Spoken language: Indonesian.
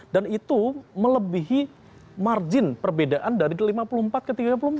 dan itu melebihi margin perbedaan dari lima puluh empat ke tiga puluh empat